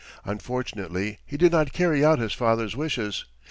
Unfortunately, he did not carry out his father's wishes.